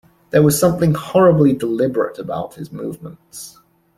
There was something horribly deliberate about his movements.